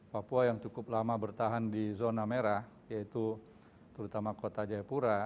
papua yang cukup lama bertahan di zona merah yaitu terutama kota jayapura